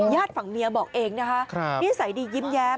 ฝั่งเมียบอกเองนะคะนิสัยดียิ้มแย้ม